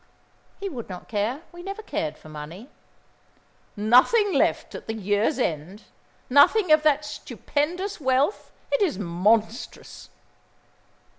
"He would not care. We never cared for money." "Nothing left at the year's end, nothing of that stupendous wealth! It is monstrous!"